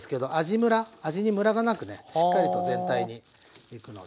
むら味にむらがなくねしっかりと全体にいくので。